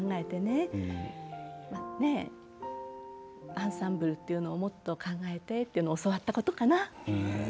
アンサンブルっていうのをもっと考えてっていうの教わったことかな。